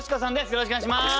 よろしくお願いします。